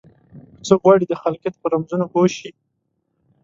که څوک غواړي د خلقت په رمزونو پوه شي.